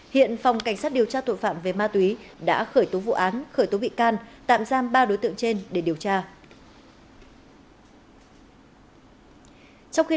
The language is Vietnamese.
hiện phòng cảnh sát điều tra tội phạm về ma túy đã khởi tố vụ án khởi tố bị can tạm giam ba đối tượng trên để điều tra